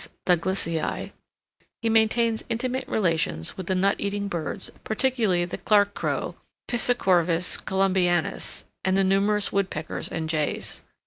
Douglasii_, he maintains intimate relations with the nut eating birds, particularly the Clark Crow (Picicorvus columbianus) and the numerous woodpeckers and jays.